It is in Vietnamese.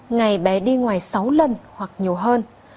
ngày bé đi ngoài sáu lần hoặc nhiều hơn